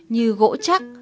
như gỗ chắc